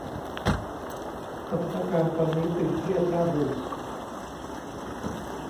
สถานการณ์ตอนนี้ตึงเครียดน่าดู